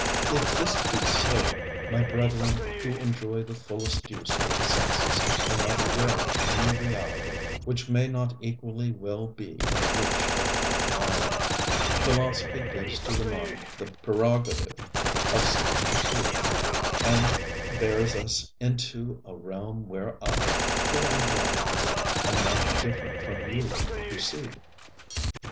If this be so, my brethren who enjoy the fullest use of the senses are not aware of any reality which may not equally well be in reach of my mind. Philosophy gives to the mind the prerogative of seeing truth, and bears us into a realm where I, who am blind, am not different from you who see.